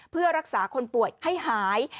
เพื่อรักษาคนป่วยให้หาย